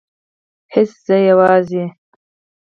هیڅ زه یوازې